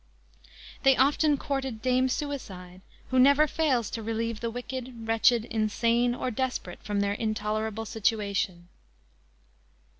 They often courted Dame Suicide, who never fails to relieve the wicked, wretched, insane or desperate from their intolerable situation.